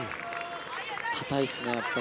堅いですね。